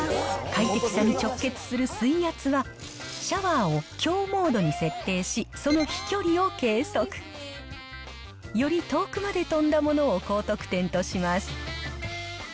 快適さに直結する水圧は、シャワーを強モードに設定し、その飛距離を計測。より遠くまで飛んだものを高得点とします。